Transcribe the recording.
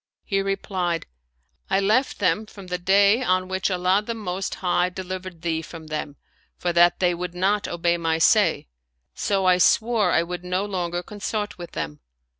He replied, " I left them from the day on which Allah the Most High delivered thee from them, for that they would not obey my say ; so I swore I would no longer consort with them."